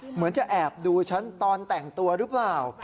เหมือนจะแอบดูฉันตอนแต่งตัวหรือเปล่า